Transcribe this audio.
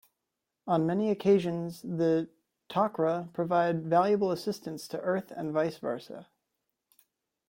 On many occasions, the Tok'ra provide valuable assistance to Earth and vice versa.